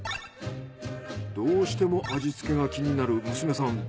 どうしても味付けが気になる娘さん。